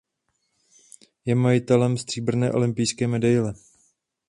Je majitelem stříbrné olympijské medaile.